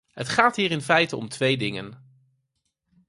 Het gaat hier in feite om twee dingen.